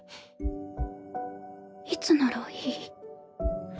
いつならいい？